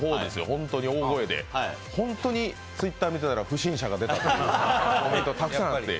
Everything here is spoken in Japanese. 本当に大声で、本当にＴｗｉｔｔｅｒ見てたら不審者が出たというコメントがたくさんあって。